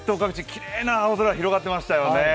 きれいな青空広がってましたよね。